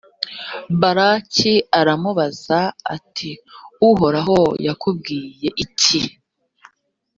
balaki aramubaza ati uhoraho yakubwiye iki?